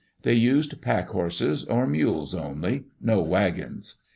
They used pack horses or mules only — no wagons.